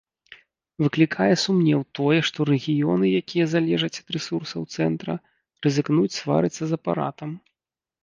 Выклікае сумнеў тое, што рэгіёны, якія залежаць ад рэсурсаў цэнтра, рызыкнуць сварыцца з апаратам.